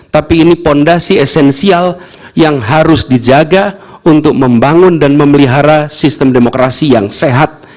tapi ini fondasi esensial yang harus dijaga untuk membangun dan memelihara sistem demokrasi yang sehat